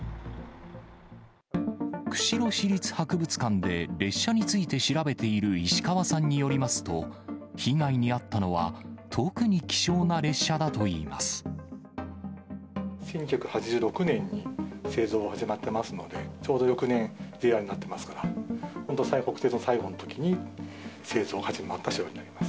釧路市立博物館で列車について調べている石川さんによりますと、被害に遭ったのは、１９８６年に製造が始まってますので、ちょうど翌年、ＪＲになってますから、本当、国鉄最後のときに製造が始まった車両になります。